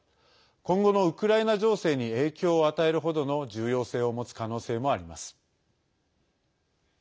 今後のウクライナ情勢に影響を与えるほどの重要性を持つ可能性もあります。